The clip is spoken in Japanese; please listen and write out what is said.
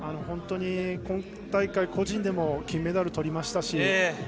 本当に今大会、個人でも金メダルをとりましたし